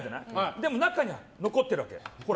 でも中には残ってるわけ。